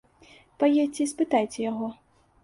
Паедзьце і спытайце яго!